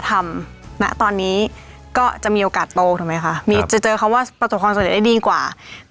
ทำตอนนี้จากมีโอกาสโตใช่ไหมคะอย่างนี้จะเจอคำว่าประจบความสำเร็จได้ดีกว่า